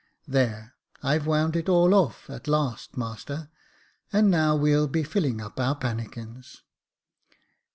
There, I've wound it all off at last, master, and now we'll fill up our pannikins."